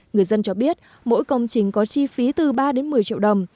người dân cho biết mỗi công trình có chi phí từ ba đến một mươi triệu đồng